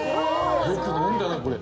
よく飲んだなこれ。